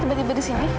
tiba tiba di sini